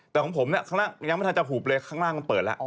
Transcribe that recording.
แต่ของผมข้างล่างยังไม่รู้จักหูบเลยข้างล่างมันเปิดละ